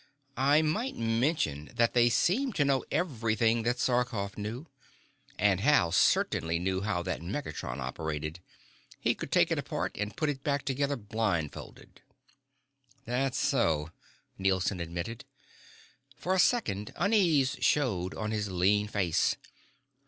I might mention that they seem to know everything that Sarkoff knew. And Hal certainly knew how that negatron operated. He could take it apart and put it back together blind folded." "That's so," Nielson admitted. For a second unease showed on his lean face.